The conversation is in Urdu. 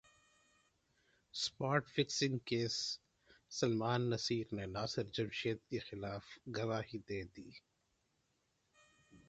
spot fixing case Salman Naseer نے ناصر جمشید کیخلاف گواہی دے دی